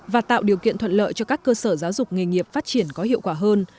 và tạo điều kiện thuận lợi cho các cơ sở giáo dục nghề nghiệp phát triển có hiệu quả hơn